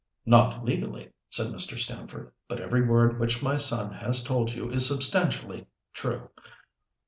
"Not legally," said Mr. Stamford; "but every word which my son has told you is substantially true.